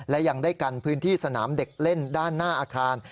และยังได้กันพื้นที่สนามเด็กเล่นด้านหน้าอาคาร